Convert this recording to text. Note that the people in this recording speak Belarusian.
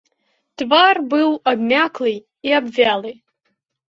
Твар быў абмяклы і абвялы.